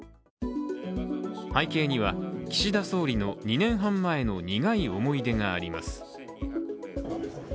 背景には岸田総理の２年半前の苦い思い出があります。